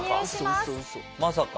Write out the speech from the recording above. まさか。